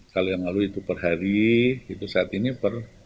kalau yang lalu itu per hari itu saat ini per